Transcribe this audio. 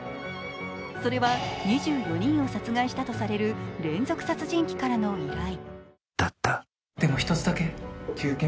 それは２４人を殺害したとされる連続殺人鬼からの依頼。